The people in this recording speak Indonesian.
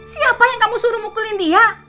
siapa yang kamu suruh mukulin dia